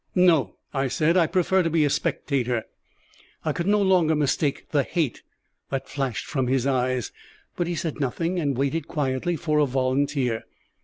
"No," I said; "I prefer to be a spectator." I could no longer mistake the hate that flashed from his eyes; but he said nothing, and waited quietly for a volunteer.